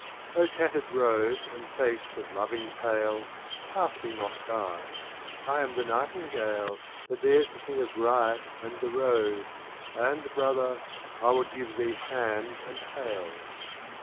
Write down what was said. TATTERED robe, and face with loving pale. Pass me not by : I am the Nightingale That dares to sing of Riot and the Rose; And, Brother, I would give thee hand and hail.